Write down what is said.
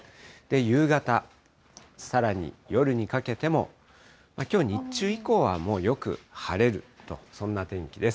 夕方、さらに夜にかけても、きょう日中以降は、もうよく晴れると、そんな天気です。